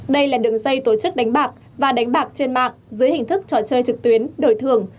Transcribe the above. đây là đường dây tổ chức đánh bạc và đánh bạc trên mạng dưới hình thức trò chơi trực tuyến đổi thường